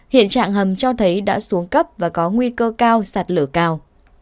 hiện trạng hầm cho thấy đã xuống cấp và có nguy cơ cao sạt lở cao